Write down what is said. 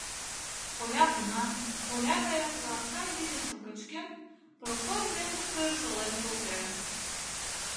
Коля пунан, коля гаяк лапка вӱльыжым кычкен, Прокой мӧҥгышкыжӧ шолен колтен.